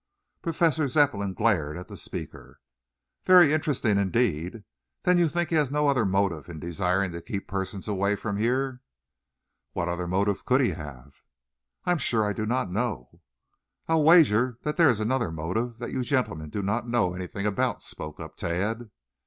Professor Zepplin glared at the speaker. "Very interesting, indeed. Then you think he has no other motive in desiring to keep persons away from here?" "What other motive could he have?" "I am sure I do not know." "I will wager that there is another motive that you gentlemen do not know anything about," spoke up Tad.